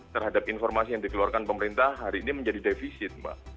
terhadap informasi yang dikeluarkan pemerintah hari ini menjadi defisit mbak